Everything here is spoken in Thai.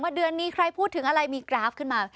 เดือนนี้ใครพูดถึงอะไรมีกราฟขึ้นมา